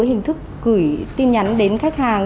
hình thức gửi tin nhắn đến khách hàng